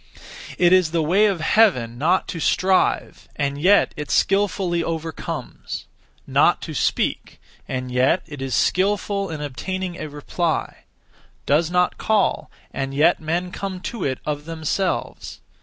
It is the way of Heaven not to strive, and yet it skilfully overcomes; not to speak, and yet it is skilful in obtaining a reply; does not call, and yet men come to it of themselves.